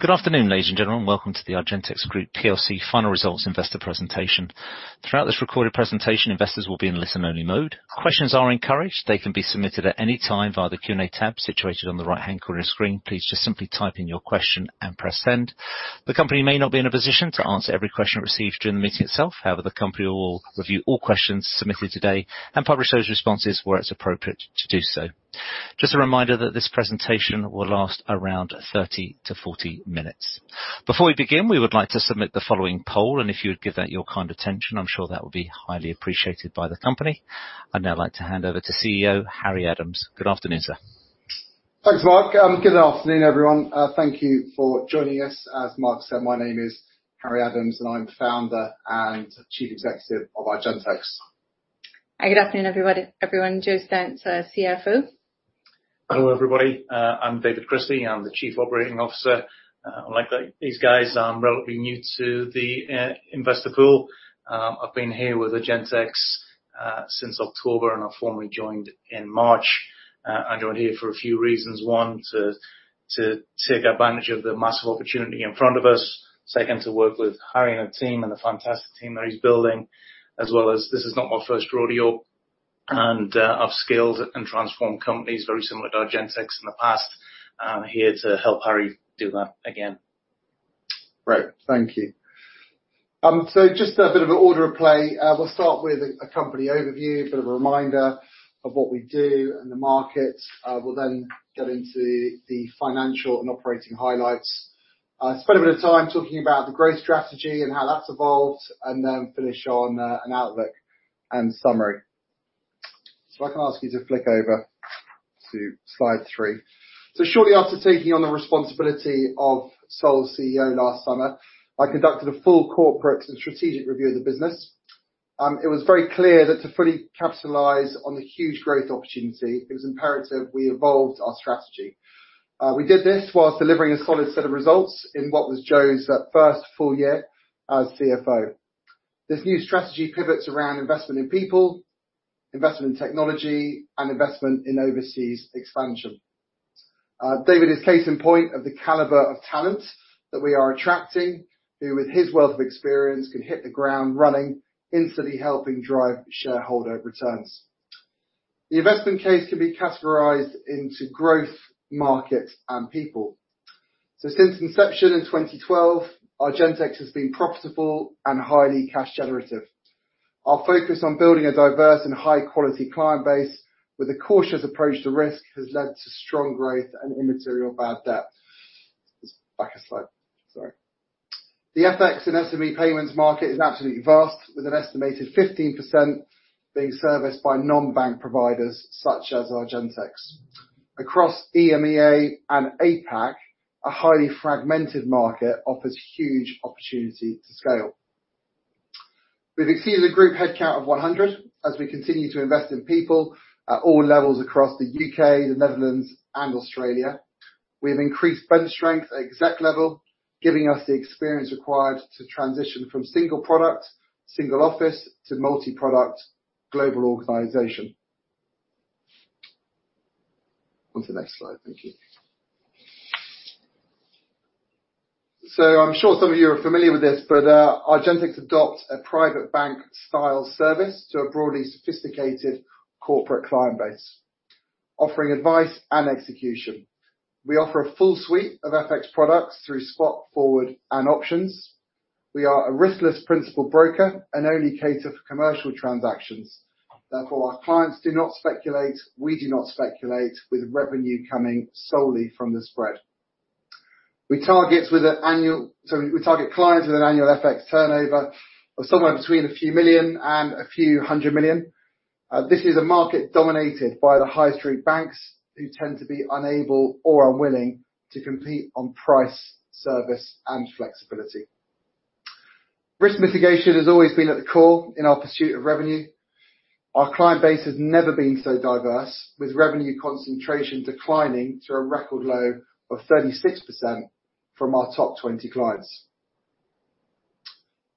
Good afternoon, ladies and gentlemen. Welcome to the Argentex Group PLC final results investor presentation. Throughout this recorded presentation, investors will be in listen-only mode. Questions are encouraged. They can be submitted at any time via the Q&A tab situated on the right-hand corner of your screen. Please just simply type in your question and press Send. The company may not be in a position to answer every question received during the meeting itself. However, the company will review all questions submitted today and publish those responses where it's appropriate to do so. Just a reminder that this presentation will last around 30-40 minutes. Before we begin, we would like to submit the following poll, and if you would give that your kind attention, I'm sure that will be highly appreciated by the company. I'd now like to hand over to CEO Harry Adams. Good afternoon, sir. Thanks, Mark. Good afternoon, everyone. Thank you for joining us. As Mark said, my name is Harry Adams, and I'm the founder and chief executive of Argentex. Hi. Good afternoon, everyone. Jo Stent, CFO. Hello, everybody. I'm David Christie. I'm the Chief Operating Officer. Unlike these guys, I'm relatively new to the investor pool. I've been here with Argentex since October, and I formally joined in March. I joined here for a few reasons. One, to take advantage of the massive opportunity in front of us. Second, to work with Harry and the team and the fantastic team that he's building, as well as this is not my first rodeo and I've scaled and transformed companies very similar to Argentex in the past. I'm here to help Harry do that again. Great. Thank you. Just a bit of an order of play. We'll start with a company overview, a bit of a reminder of what we do and the market. We'll then get into the financial and operating highlights. Spend a bit of time talking about the growth strategy and how that's evolved, and then finish on an outlook and summary. If I can ask you to flick over to slide three. Shortly after taking on the responsibility of sole CEO last summer, I conducted a full corporate and strategic review of the business. It was very clear that to fully capitalize on the huge growth opportunity, it was imperative we evolved our strategy. We did this whilst delivering a solid set of results in what was Jo's first full year as CFO. This new strategy pivots around investment in people, investment in technology, and investment in overseas expansion. David is case in point of the caliber of talent that we are attracting, who with his wealth of experience, can hit the ground running, instantly helping drive shareholder returns. The investment case can be categorized into growth, market, and people. Since inception in 2012, Argentex has been profitable and highly cash generative. Our focus on building a diverse and high quality client base with a cautious approach to risk has led to strong growth and immaterial bad debt. Let's back a slide. Sorry. The FX and SME payments market is absolutely vast with an estimated 15% being serviced by non-bank providers such as Argentex. Across EMEA and APAC, a highly fragmented market offers huge opportunity to scale. We've exceeded a group headcount of 100 as we continue to invest in people at all levels across the U.K., the Netherlands and Australia. We have increased bench strength at exec level, giving us the experience required to transition from single product, single office, to multi-product global organization. On to the next slide. Thank you. I'm sure some of you are familiar with this, but Argentex adopts a private bank style service to a broadly sophisticated corporate client base, offering advice and execution. We offer a full suite of FX products through spot, forward and options. We are a riskless principal broker and only cater for commercial transactions. Therefore, our clients do not speculate, we do not speculate, with revenue coming solely from the spread. We target with an annual... We target clients with an annual FX turnover of somewhere between a few million and a few hundred million. This is a market dominated by the high street banks who tend to be unable or unwilling to compete on price, service and flexibility. Risk mitigation has always been at the core in our pursuit of revenue. Our client base has never been so diverse, with revenue concentration declining to a record low of 36% from our top 20 clients.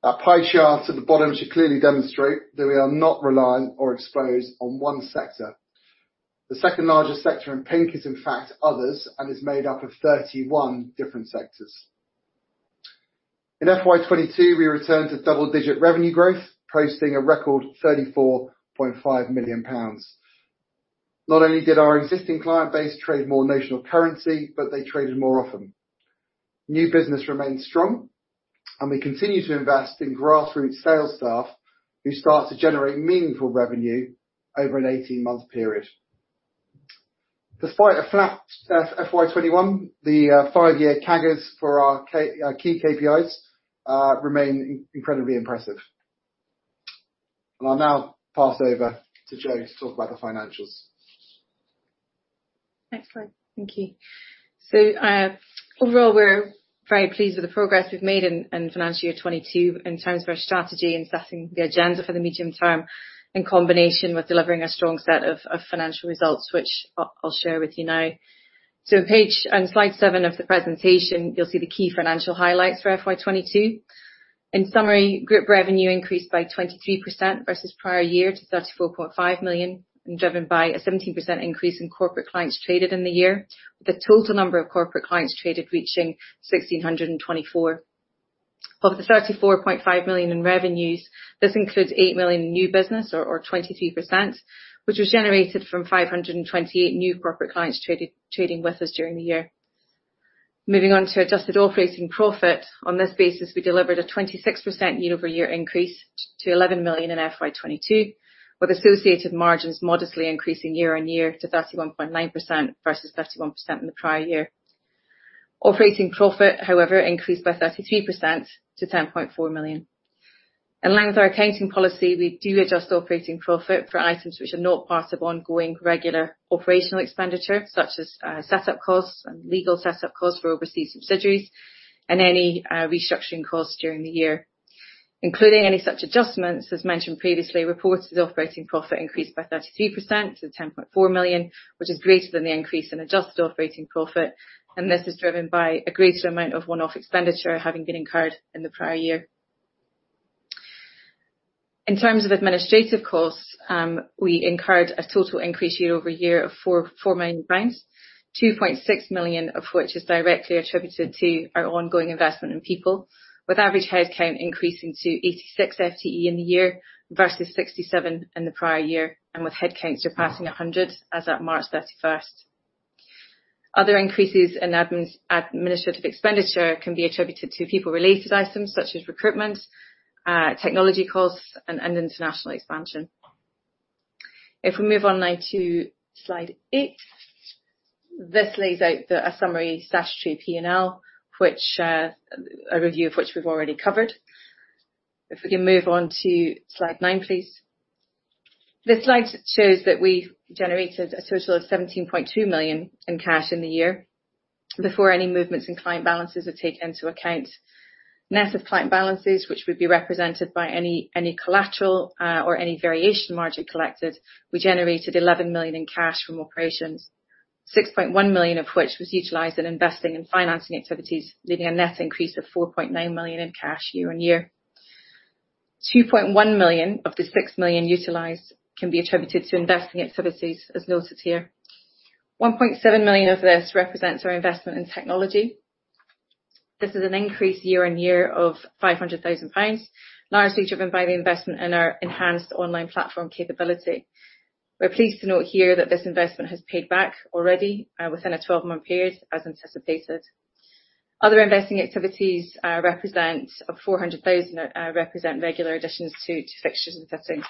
That pie chart at the bottom should clearly demonstrate that we are not reliant or exposed on one sector. The second-largest sector in pink is in fact others and is made up of 31 different sectors. In FY 2022, we returned to double-digit revenue growth, posting a record 34.5 million pounds. Not only did our existing client base trade more notional currency, but they traded more often. New business remained strong and we continue to invest in grassroots sales staff who start to generate meaningful revenue over an 18-month period. Despite a flat FY 2021, the five-year CAGRs for our key KPIs remain incredibly impressive. I'll now pass over to Jo to talk about the financials. Next slide. Thank you. Overall, we're very pleased with the progress we've made in financial year 2022 in terms of our strategy and setting the agenda for the medium term, in combination with delivering a strong set of financial results, which I'll share with you now. On slide seven of the presentation, you'll see the key financial highlights for FY 2022. In summary, group revenue increased by 23% versus prior year to 34.5 million and driven by a 17% increase in corporate clients traded in the year, with the total number of corporate clients traded reaching 1,624. Of the 34.5 million in revenues, this includes 8 million new business or 22%, which was generated from 528 new corporate clients traded with us during the year. Moving on to adjusted operating profit. On this basis, we delivered a 26% year-over-year increase to 11 million in FY 2022, with associated margins modestly increasing year-on-year to 31.9% versus 31% in the prior year. Operating profit, however, increased by 33% to 10.4 million. In line with our accounting policy, we do adjust operating profit for items which are not part of ongoing regular operational expenditure, such as, setup costs and legal setup costs for overseas subsidiaries and any, restructuring costs during the year. Including any such adjustments, as mentioned previously, reported operating profit increased by 33% to 10.4 million, which is greater than the increase in adjusted operating profit, and this is driven by a greater amount of one-off expenditure having been incurred in the prior year. In terms of administrative costs, we incurred a total increase year-over-year of 4 million pounds, 2.6 million of which is directly attributed to our ongoing investment in people, with average headcount increasing to 86 FTE in the year versus 67 in the prior year and with headcounts surpassing 100 as at March 31st. Other increases in administrative expenditure can be attributed to people-related items such as recruitment, technology costs and international expansion. If we move on now to slide eight, this lays out a summary statutory P&L, which a review of which we've already covered. If we can move on to slide nine, please. This slide shows that we generated a total of 17.2 million in cash in the year before any movements in client balances are taken into account. Net of client balances, which would be represented by any collateral or any variation margin collected, we generated 11 million in cash from operations, 6.1 million of which was utilized in investing and financing activities, leaving a net increase of 4.9 million in cash year-on-year. 2.1 million of the 6 million utilized can be attributed to investing activities, as noted here. 1.7 million of this represents our investment in technology. This is an increase year-on-year of 500,000 pounds, largely driven by the investment in our enhanced online platform capability. We're pleased to note here that this investment has paid back already within a 12-month period as anticipated. Other investing activities represent 400,000 regular additions to fixtures and fittings.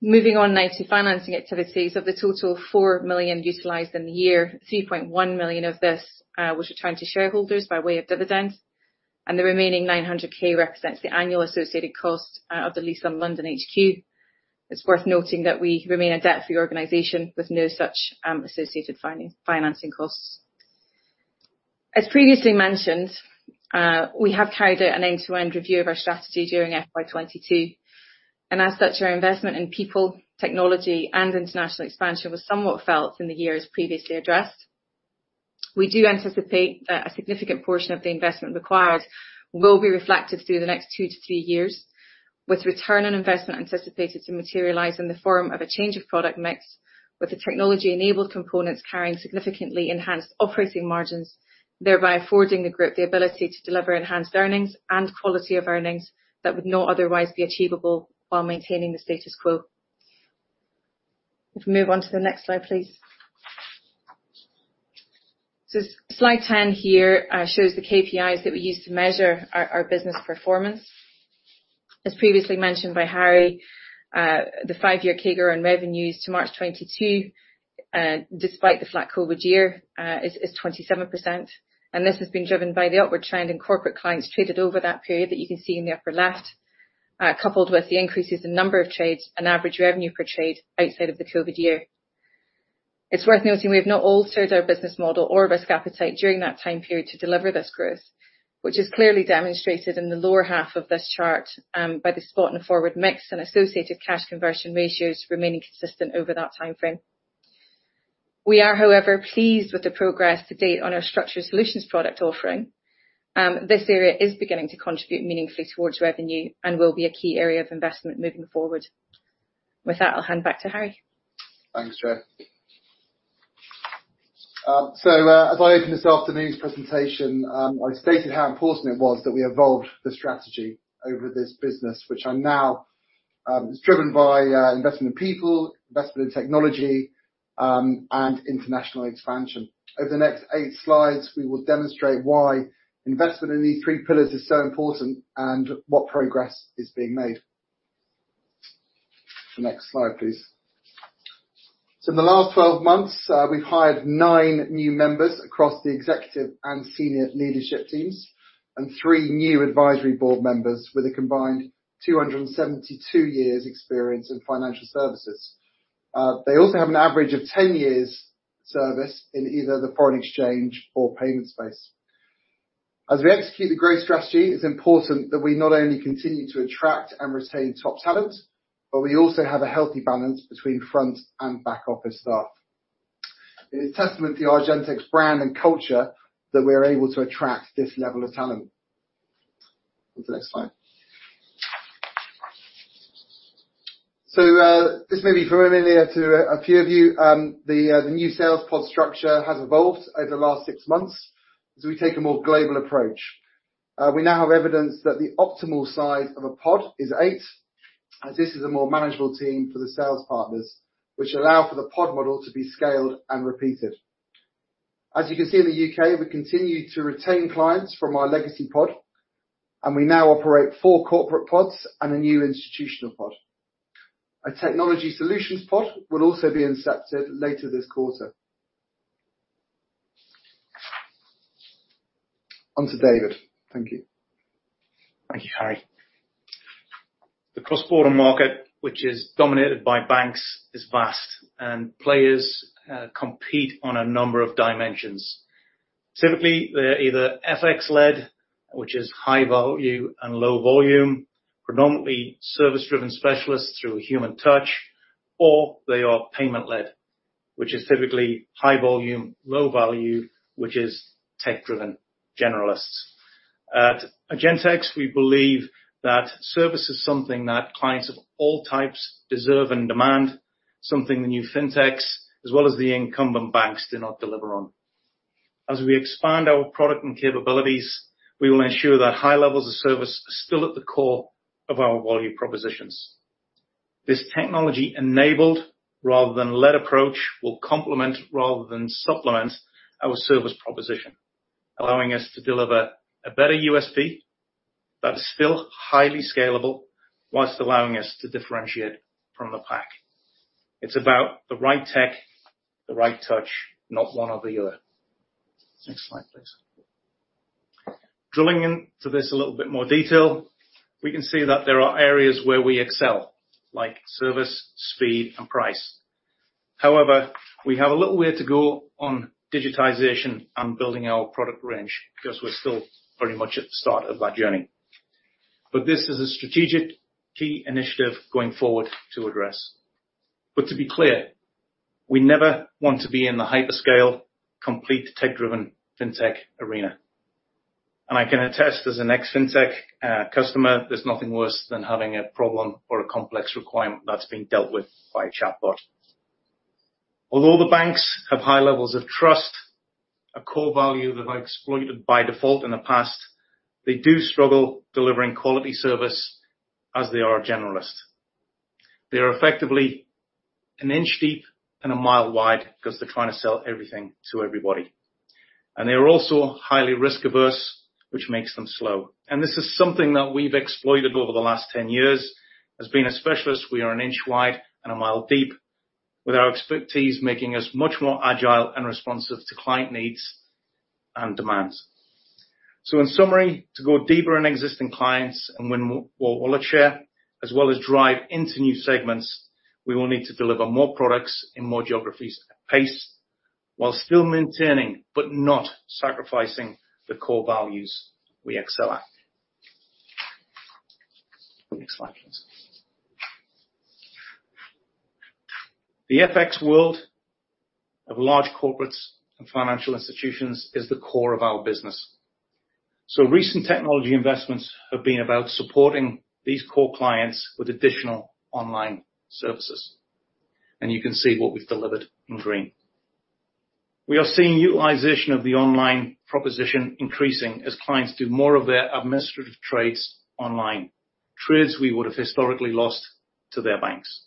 Moving on now to financing activities. Of the total 4 million utilized in the year, 3.1 million of this was returned to shareholders by way of dividends, and the remaining 900,000 represents the annual associated cost of the lease on London HQ. It's worth noting that we remain a debt-free organization with no such associated financing costs. As previously mentioned, we have carried out an end-to-end review of our strategy during FY 2022, and as such, our investment in people, technology, and international expansion was somewhat felt in the year as previously addressed. We do anticipate that a significant portion of the investment required will be reflected through the next two to three years with return on investment anticipated to materialize in the form of a change of product mix, with the technology-enabled components carrying significantly enhanced operating margins, thereby affording the group the ability to deliver enhanced earnings and quality of earnings that would not otherwise be achievable while maintaining the status quo. If we move on to the next slide, please. Slide 10 here shows the KPIs that we use to measure our business performance. As previously mentioned by Harry, the five-year CAGR on revenues to March 2022 is 27%, and this has been driven by the upward trend in corporate clients traded over that period that you can see in the upper left, coupled with the increases in number of trades and average revenue per trade outside of the COVID year. It's worth noting we have not altered our business model or risk appetite during that time period to deliver this growth, which is clearly demonstrated in the lower half of this chart by the spot and forward mix and associated cash conversion ratios remaining consistent over that timeframe. We are, however, pleased with the progress to date on our structured solutions product offering. This area is beginning to contribute meaningfully towards revenue and will be a key area of investment moving forward. With that, I'll hand back to Harry. Thanks, Jo. As I opened this afternoon's presentation, I stated how important it was that we evolved the strategy over this business. It's driven by investment in people, investment in technology, and international expansion. Over the next eight slides, we will demonstrate why investment in these three pillars is so important and what progress is being made. The next slide, please. In the last 12 months, we've hired nine new members across the executive and senior leadership teams and three new advisory board members with a combined 272 years experience in financial services. They also have an average of 10 years service in either the foreign exchange or payment space. As we execute the growth strategy, it's important that we not only continue to attract and retain top talent, but we also have a healthy balance between front and back office staff. It's a testament to Argentex brand and culture that we're able to attract this level of talent. On to the next slide. This may be familiar to a few of you. The new sales pod structure has evolved over the last six months as we take a more global approach. We now have evidence that the optimal size of a pod is eight, as this is a more manageable team for the sales partners, which allow for the pod model to be scaled and repeated. As you can see in the U.K., we continue to retain clients from our legacy pod, and we now operate four corporate pods and a new institutional pod. A technology solutions pod will also be incepted later this quarter. On to David. Thank you. Thank you, Harry. The cross-border market, which is dominated by banks, is vast and players, compete on a number of dimensions. Typically, they're either FX-led, which is high value and low volume, predominantly service-driven specialists through human touch, or they are payment-led, which is typically high volume, low value, which is tech-driven generalists. At Argentex, we believe that service is something that clients of all types deserve and demand, something the new fintechs, as well as the incumbent banks, do not deliver on. As we expand our product and capabilities, we will ensure that high levels of service are still at the core of our value propositions. This technology-enabled rather than led approach will complement rather than supplement our service proposition, allowing us to deliver a better USP that is still highly scalable whilst allowing us to differentiate from the pack. It's about the right tech, the right touch, not one or the other. Next slide, please. Drilling into this in a little bit more detail, we can see that there are areas where we excel, like service, speed, and price. However, we have a little way to go on digitization and building our product range because we're still pretty much at the start of that journey. This is a strategic key initiative going forward to address. To be clear, we never want to be in the hyperscale, complete tech-driven fintech arena. I can attest as an ex-fintech customer, there's nothing worse than having a problem or a complex requirement that's being dealt with by a chatbot. Although the banks have high levels of trust, a core value that I exploited by default in the past, they do struggle delivering quality service as they are a generalist. They are effectively an inch deep and a mile wide because they're trying to sell everything to everybody. They are also highly risk-averse, which makes them slow. This is something that we've exploited over the last 10 years. As being a specialist, we are an inch wide and a mile deep with our expertise, making us much more agile and responsive to client needs and demands. In summary, to go deeper in existing clients and win wallet share, as well as drive into new segments, we will need to deliver more products in more geographies at pace, while still maintaining but not sacrificing the core values we excel at. Next slide, please. The FX world of large corporates and financial institutions is the core of our business. Recent technology investments have been about supporting these core clients with additional online services, and you can see what we've delivered in green. We are seeing utilization of the online proposition increasing as clients do more of their administrative trades online. Trades we would have historically lost to their banks.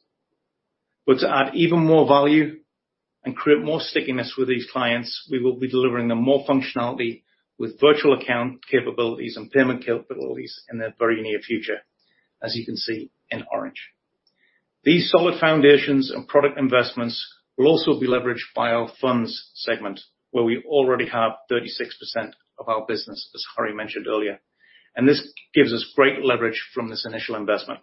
To add even more value and create more stickiness with these clients, we will be delivering them more functionality with virtual account capabilities and payment capabilities in the very near future, as you can see in orange. These solid foundations and product investments will also be leveraged by our funds segment, where we already have 36% of our business, as Harry mentioned earlier. This gives us great leverage from this initial investment.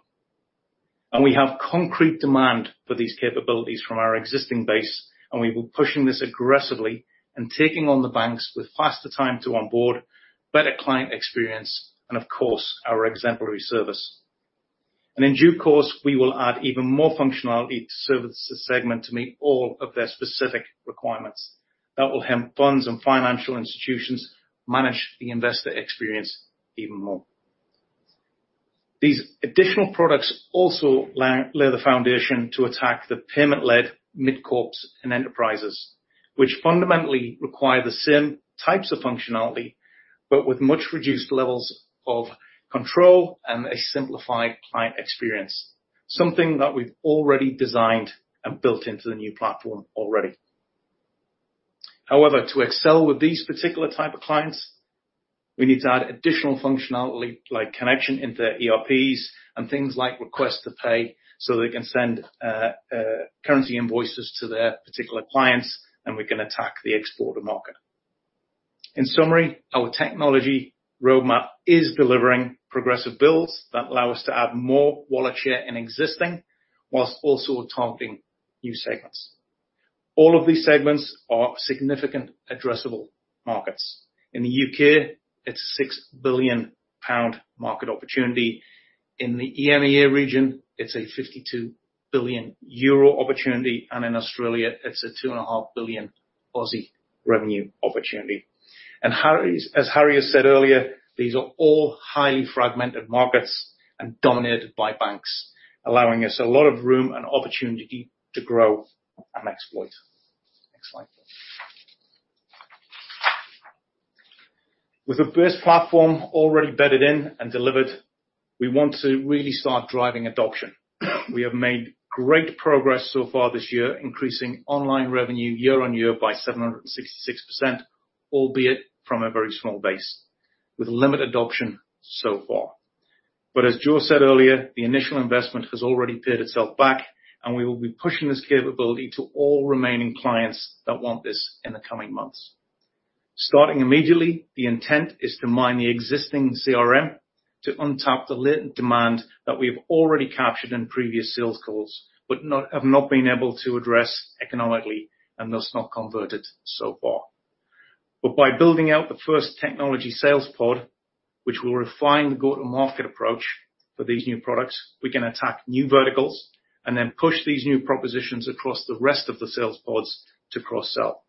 We have concrete demand for these capabilities from our existing base, and we're pushing this aggressively and taking on the banks with faster time to onboard, better client experience, and of course, our exemplary service. In due course, we will add even more functionality to service this segment to meet all of their specific requirements. That will help funds and financial institutions manage the investor experience even more. These additional products also lay the foundation to attack the payment-led mid-corps and enterprises, which fundamentally require the same types of functionality, but with much reduced levels of control and a simplified client experience, something that we've already designed and built into the new platform already. However, to excel with these particular type of clients, we need to add additional functionality like connection into ERPs and things like request to pay so they can send currency invoices to their particular clients, and we can attack the exporter market. In summary, our technology roadmap is delivering progressive builds that allow us to add more wallet share in existing whilst also targeting new segments. All of these segments are significant addressable markets. In the U.K., it's a 6 billion pound market opportunity. In the EMEA region, it's a 52 billion euro opportunity, and in Australia, it's a 2.5 billion revenue opportunity. As Harry has said earlier, these are all highly fragmented markets and dominated by banks, allowing us a lot of room and opportunity to grow and exploit. Next slide. With the Birst platform already bedded in and delivered, we want to really start driving adoption. We have made great progress so far this year, increasing online revenue year-on-year by 766%, albeit from a very small base, with limited adoption so far. As Jo said earlier, the initial investment has already paid itself back, and we will be pushing this capability to all remaining clients that want this in the coming months. Starting immediately, the intent is to mine the existing CRM to untap the latent demand that we have already captured in previous sales calls, have not been able to address economically and thus not converted so far. By building out the first technology sales pod, which will refine the go-to-market approach for these new products, we can attack new verticals and then push these new propositions across the rest of the sales pods to cross-sell.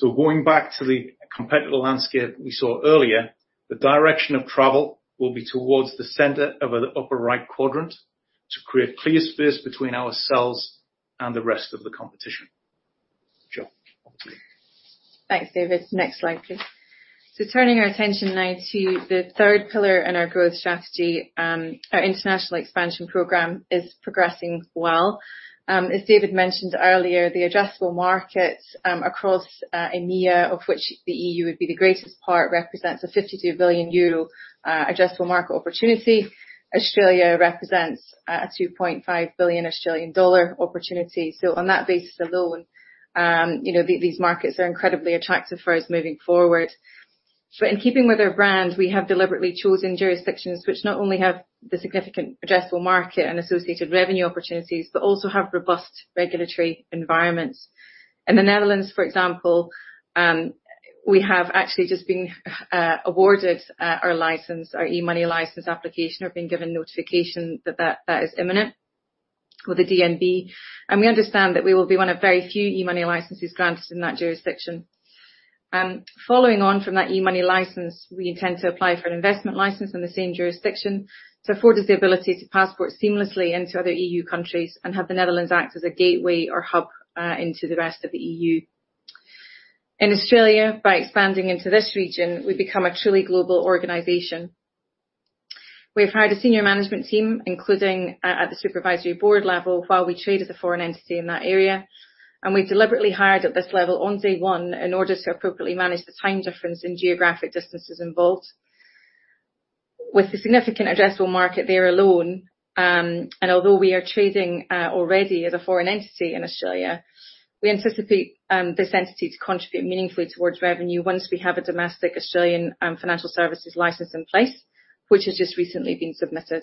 Going back to the competitive landscape we saw earlier, the direction of travel will be towards the center of the upper right quadrant to create clear space between our sales and the rest of the competition. Jo. Thanks, David. Next slide, please. Turning our attention now to the third pillar in our growth strategy, our international expansion program is progressing well. As David mentioned earlier, the addressable market across EMEA, of which the EU would be the greatest part, represents a 52 billion euro addressable market opportunity. Australia represents a 2.5 billion Australian dollar opportunity. On that basis alone, you know, these markets are incredibly attractive for us moving forward. In keeping with our brand, we have deliberately chosen jurisdictions which not only have the significant addressable market and associated revenue opportunities, but also have robust regulatory environments. In the Netherlands, for example, we have actually just been awarded our license, our e-money license application, or been given notification that is imminent with the DNB. We understand that we will be one of very few e-money licenses granted in that jurisdiction. Following on from that e-money license, we intend to apply for an investment license in the same jurisdiction to afford us the ability to passport seamlessly into other EU countries and have the Netherlands act as a gateway or hub into the rest of the EU. In Australia, by expanding into this region, we become a truly global organization. We've hired a senior management team, including at the supervisory board level, while we trade as a foreign entity in that area. We deliberately hired at this level on day one in order to appropriately manage the time difference and geographic distances involved. With the significant addressable market there alone, and although we are trading already as a foreign entity in Australia, we anticipate this entity to contribute meaningfully towards revenue once we have a domestic Australian Financial Services Licence in place, which has just recently been submitted.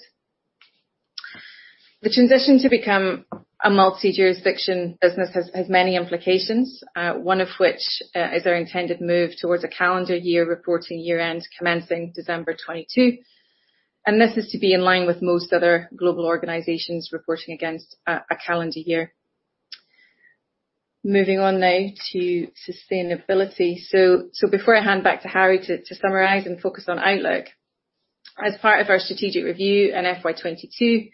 The transition to become a multi-jurisdiction business has many implications, one of which is our intended move towards a calendar year reporting year-end commencing December 2022, and this is to be in line with most other global organizations reporting against a calendar year. Moving on now to sustainability. Before I hand back to Harry to summarize and focus on outlook, as part of our strategic review in FY 2022,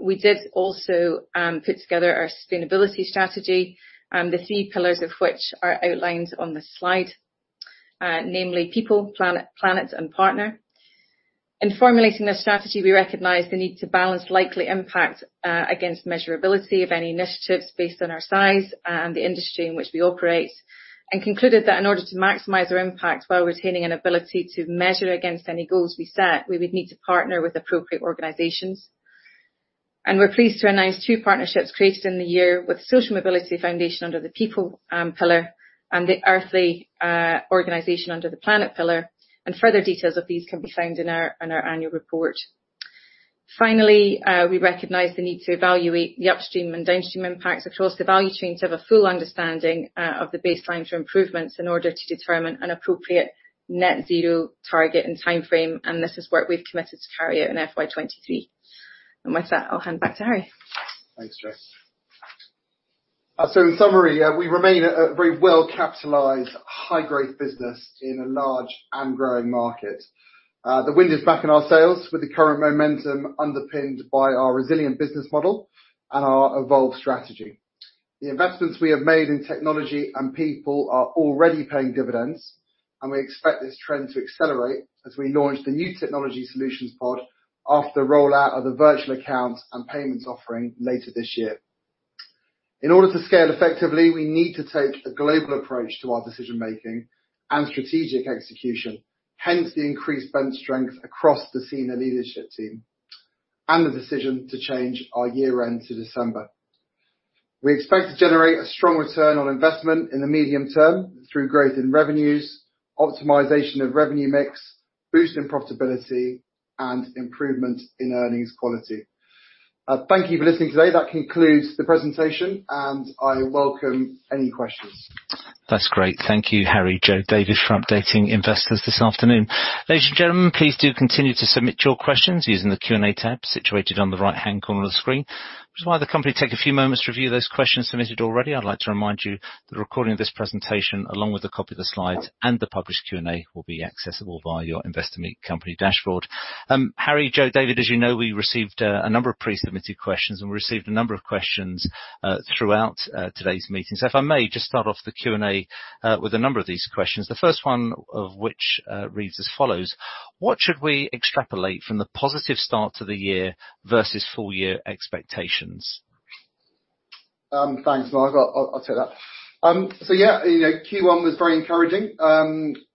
we did also put together our sustainability strategy, the three pillars of which are outlined on this slide, namely people, planet, and partner. In formulating this strategy, we recognized the need to balance likely impact against measurability of any initiatives based on our size and the industry in which we operate, and concluded that in order to maximize our impact while retaining an ability to measure against any goals we set, we would need to partner with appropriate organizations. We're pleased to announce two partnerships created in the year with Social Mobility Foundation under the people pillar and the Earthly organization under the planet pillar, and further details of these can be found in our annual report. Finally, we recognize the need to evaluate the upstream and downstream impact across the value chain to have a full understanding of the baseline for improvements in order to determine an appropriate net zero target and timeframe, and this is work we've committed to carry out in FY 2023. With that, I'll hand back to Harry. Thanks, Jo. In summary, we remain a very well-capitalized, high-growth business in a large and growing market. The wind is back in our sails with the current momentum underpinned by our resilient business model and our evolved strategy. The investments we have made in technology and people are already paying dividends, and we expect this trend to accelerate as we launch the new technology solutions pod after the rollout of the virtual accounts and payments offering later this year. In order to scale effectively, we need to take a global approach to our decision-making and strategic execution, hence the increased bench strength across the senior leadership team and the decision to change our year-end to December. We expect to generate a strong return on investment in the medium term through growth in revenues, optimization of revenue mix, boost in profitability, and improvement in earnings quality. Thank you for listening today. That concludes the presentation, and I welcome any questions. That's great. Thank you, Harry, Jo, David, for updating investors this afternoon. Ladies and gentlemen, please do continue to submit your questions using the Q&A tab situated on the right-hand corner of the screen. Just while the company take a few moments to review those questions submitted already, I'd like to remind you that a recording of this presentation, along with a copy of the slides and the published Q&A, will be accessible via your Investor Meet Company dashboard. Harry, Jo, David, as you know, we received a number of pre-submitted questions, and we received a number of questions throughout today's meeting. If I may just start off the Q&A with a number of these questions. The first one of which reads as follows: What should we extrapolate from the positive start to the year versus full year expectations? Thanks, Mark. I'll take that. Yeah, you know, Q1 was very encouraging,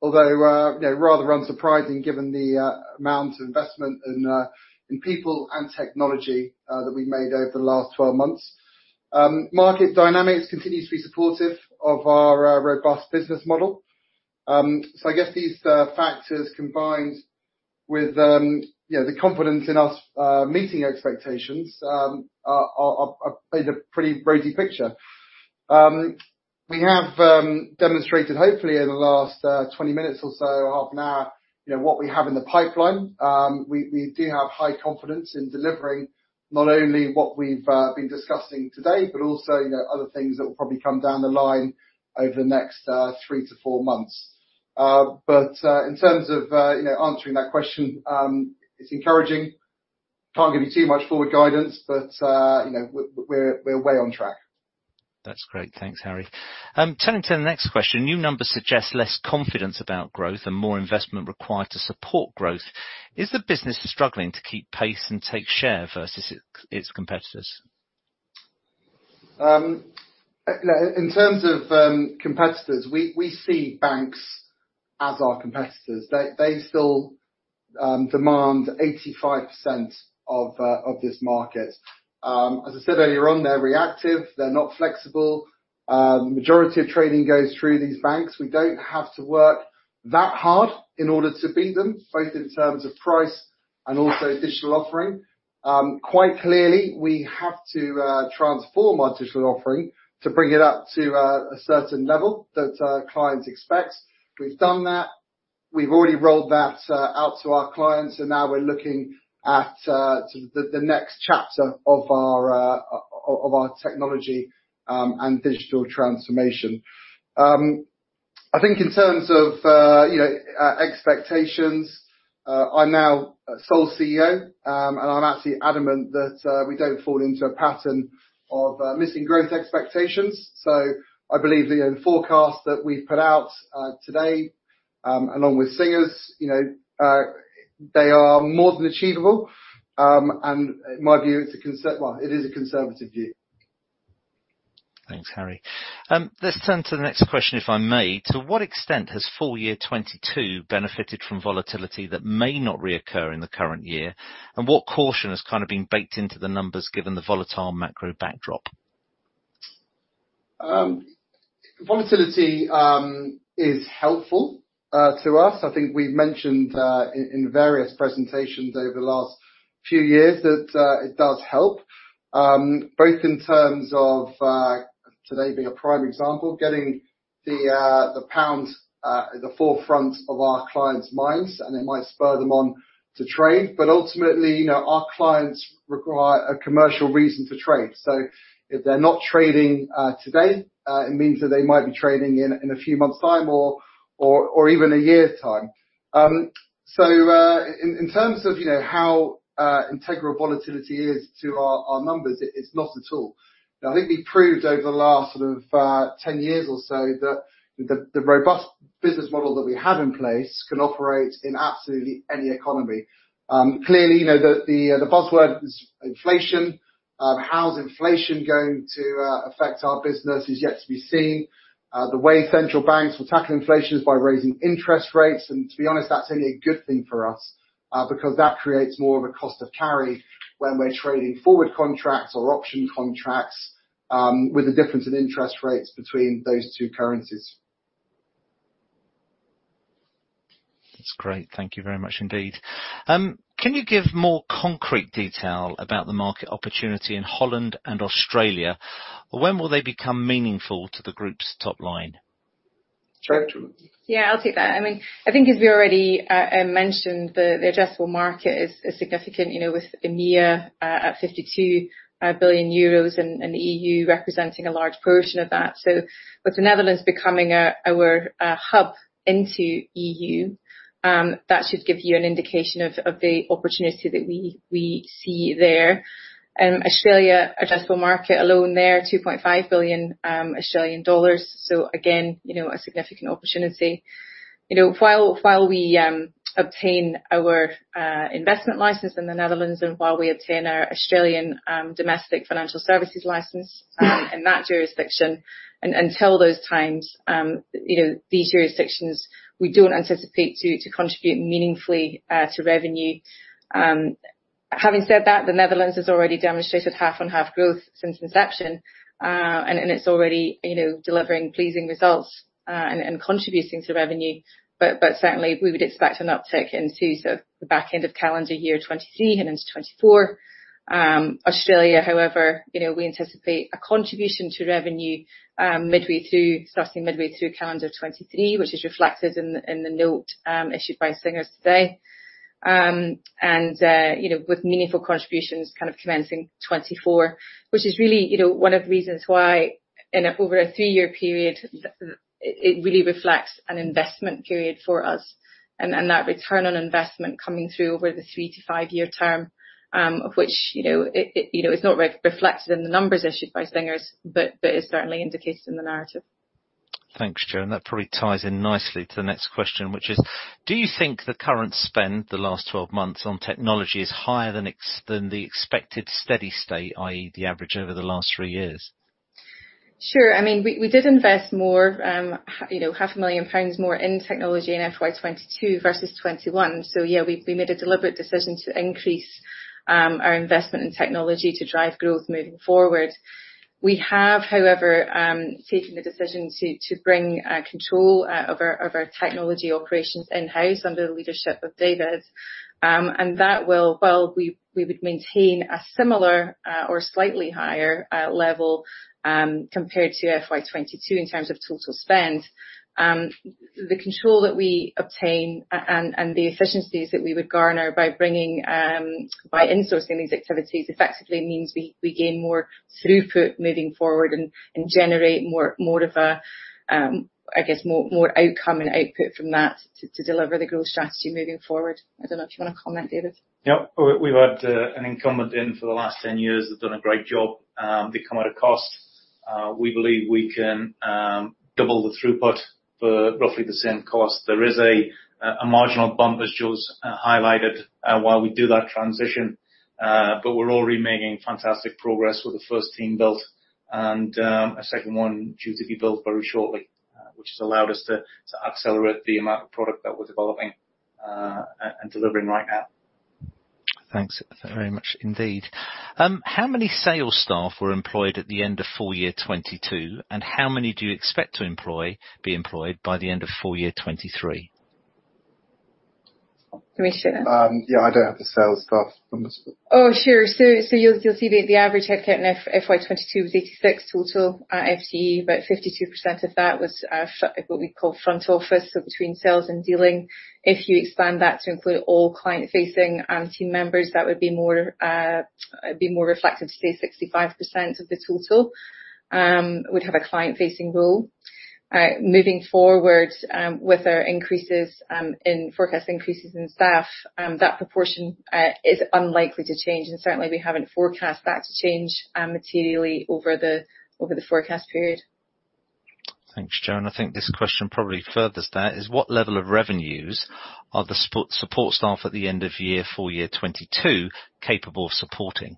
although, you know, rather unsurprising given the amount of investment in people and technology that we made over the last 12 months. Market dynamics continues to be supportive of our robust business model. I guess these factors combined with, you know, the confidence in us meeting expectations paint a pretty rosy picture. We have demonstrated hopefully in the last 20 minutes or so, half an hour, you know, what we have in the pipeline. We do have high confidence in delivering not only what we've been discussing today, but also, you know, other things that will probably come down the line over the next three to four months. In terms of, you know, answering that question, it's encouraging. Can't give you too much forward guidance. You know, we're way on track. That's great. Thanks, Harry. Turning to the next question. New numbers suggest less confidence about growth and more investment required to support growth. Is the business struggling to keep pace and take share versus its competitors? You know, in terms of competitors, we see banks as our competitors. They still demand 85% of this market. As I said earlier on, they're reactive. They're not flexible. Majority of trading goes through these banks. We don't have to work that hard in order to beat them, both in terms of price and also digital offering. Quite clearly, we have to transform our digital offering to bring it up to a certain level that our clients expect. We've done that. We've already rolled that out to our clients, and now we're looking at sort of the next chapter of our technology and digital transformation. I think in terms of, you know, expectations, I'm now sole CEO, and I'm actually adamant that we don't fall into a pattern of missing growth expectations. I believe our own forecast that we've put out today, along with Singer's, you know, they are more than achievable. Well, in my view, it is a conservative view. Thanks, Harry. Let's turn to the next question, if I may. To what extent has full year 2022 benefited from volatility that may not reoccur in the current year? And what caution has kind of been baked into the numbers given the volatile macro backdrop? Volatility is helpful to us. I think we've mentioned in various presentations over the last few years that it does help both in terms of today being a prime example, getting the pound at the forefront of our clients' minds, and it might spur them on to trade. Ultimately, you know, our clients require a commercial reason to trade. If they're not trading today, it means that they might be trading in a few months' time or even a year's time. In terms of, you know, how integral volatility is to our numbers, it's not at all. Now, I think we proved over the last sort of 10 years or so that the robust business model that we have in place can operate in absolutely any economy. Clearly, you know, the buzzword is inflation. How's inflation going to affect our business is yet to be seen. The way central banks will tackle inflation is by raising interest rates. To be honest, that's only a good thing for us, because that creates more of a cost of carry when we're trading forward contracts or option contracts, with the difference in interest rates between those two currencies. That's great. Thank you very much indeed. Can you give more concrete detail about the market opportunity in Holland and Australia? When will they become meaningful to the group's top line? Sure. Yeah, I'll take that. I mean, I think as we already mentioned, the addressable market is significant, you know, with EMEA at 52 billion euros and the EU representing a large portion of that. With the Netherlands becoming our hub into EU, that should give you an indication of the opportunity that we see there. Australia addressable market alone there, 2.5 billion Australian dollars. Again, you know, a significant opportunity. You know, while we obtain our investment license in the Netherlands and while we obtain our Australian Financial Services License in that jurisdiction, until those times, you know, these jurisdictions, we don't anticipate to contribute meaningfully to revenue. Having said that, the Netherlands has already demonstrated half on half growth since inception, and it's already, you know, delivering pleasing results, and contributing to revenue. But certainly we would expect an uptick into sort of the back end of calendar year 2023 and into 2024. Australia, however, you know, we anticipate a contribution to revenue starting midway through calendar 2023, which is reflected in the note issued by Singer Capital Markets today. You know, with meaningful contributions kind of commencing 2024, which is really, you know, one of the reasons why in over a three-year period, it really reflects an investment period for us and that return on investment coming through over the three to five-year term, of which, you know, it is not reflected in the numbers issued by Singer Capital Markets, but is certainly indicated in the narrative. Thanks, Jo. That probably ties in nicely to the next question, which is, do you think the current spend the last 12 months on technology is higher than the expected steady state, i.e., the average over the last three years? Sure. I mean, we did invest more, you know, 500,000 pounds more in technology in FY 2022 versus 2021. Yeah, we made a deliberate decision to increase our investment in technology to drive growth moving forward. We have, however, taken the decision to bring control over our technology operations in-house under the leadership of David. That will. While we would maintain a similar or slightly higher level compared to FY 2022 in terms of total spend, the control that we obtain and the efficiencies that we would garner by bringing by insourcing these activities effectively means we gain more throughput moving forward and generate more of a, I guess more outcome and output from that to deliver the growth strategy moving forward. I don't know if you wanna comment, David. Yep. We've had an incumbent in for the last 10 years, has done a great job, become too costly. We believe we can double the throughput for roughly the same cost. There is a marginal bump, as Jo's highlighted, while we do that transition, but we're already making fantastic progress with the first team built and a second one due to be built very shortly, which has allowed us to accelerate the amount of product that we're developing and delivering right now. Thanks very much indeed. How many sales staff were employed at the end of full year 2022, and how many do you expect to be employed by the end of full year 2023? Let me share. Yeah, I don't have the sales staff from the s- Oh, sure. You'll see the average headcount in FY 2022 was 86 total FTE, but 52% of that was what we call front office, so between sales and dealing. If you expand that to include all client-facing team members, that would be more reflective to say 65% of the total would have a client-facing role. Moving forward with our increases in forecast increases in staff, that proportion is unlikely to change, and certainly we haven't forecast that to change materially over the forecast period. Thanks, Jo. I think this question probably furthers that, is what level of revenues are the support staff at the end of year full year 2022 capable of supporting?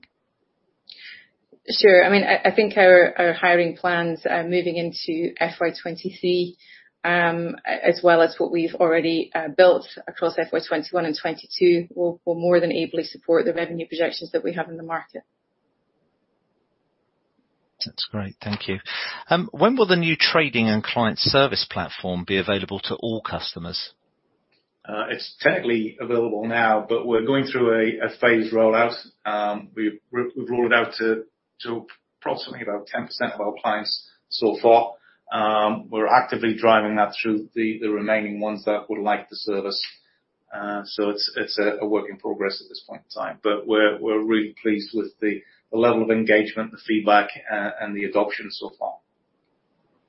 Sure. I mean, I think our hiring plans moving into FY 2023, as well as what we've already built across FY 2021 and 2022 will more than ably support the revenue projections that we have in the market. That's great. Thank you. When will the new trading and client service platform be available to all customers? It's technically available now, but we're going through a phased rollout. We've rolled it out to approximately about 10% of our clients so far. We're actively driving that through the remaining ones that would like the service. It's a work in progress at this point in time. We're really pleased with the level of engagement, the feedback, and the adoption so far.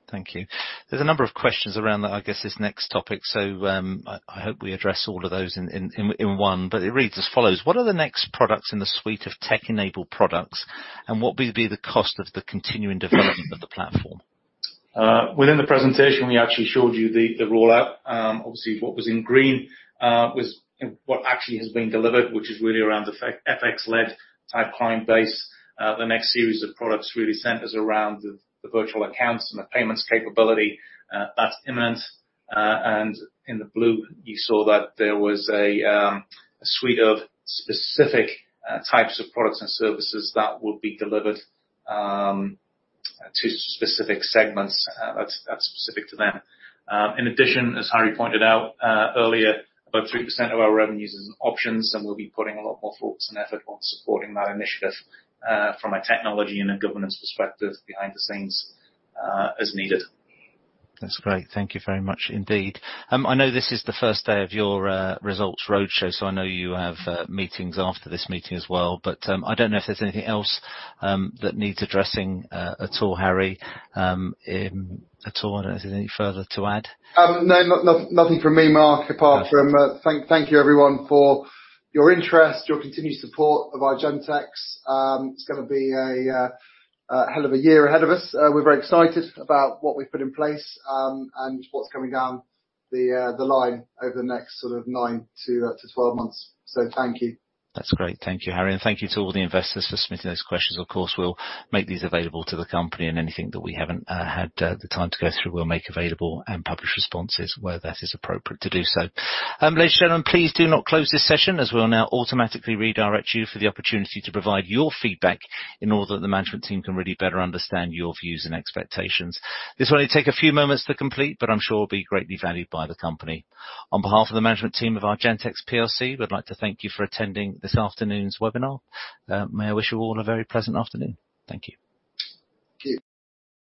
Thank you. There's a number of questions around, I guess, this next topic, so, I hope we address all of those in one, but it reads as follows: What are the next products in the suite of tech-enabled products, and what will be the cost of the continuing development of the platform? Within the presentation, we actually showed you the rollout. Obviously, what was in green was, you know, what actually has been delivered, which is really around the FX-led type client base. The next series of products really centers around the virtual accounts and the payments capability. That's imminent. In the blue you saw that there was a suite of specific types of products and services that would be delivered to specific segments, that's specific to them. In addition, as Harry pointed out earlier, about 3% of our revenues is in options, and we'll be putting a lot more thoughts and effort on supporting that initiative from a technology and a governance perspective behind the scenes, as needed. That's great. Thank you very much indeed. I know this is the first day of your results roadshow, so I know you have meetings after this meeting as well, but I don't know if there's anything else that needs addressing at all, Harry. I don't know if there's any further to add. No, nothing from me, Mark, apart from thank you, everyone, for your interest, your continued support of Argentex. It's gonna be a hell of a year ahead of us. We're very excited about what we've put in place, and what's coming down the line over the next sort of nine to 12 months. Thank you. That's great. Thank you, Harry. Thank you to all the investors for submitting those questions. Of course, we'll make these available to the company and anything that we haven't had the time to go through, we'll make available and publish responses where that is appropriate to do so. Ladies and gentlemen, please do not close this session as we'll now automatically redirect you for the opportunity to provide your feedback in order that the management team can really better understand your views and expectations. This will only take a few moments to complete, but I'm sure will be greatly valued by the company. On behalf of the management team of Argentex Group PLC, we'd like to thank you for attending this afternoon's webinar. May I wish you all a very pleasant afternoon. Thank you. Thank you.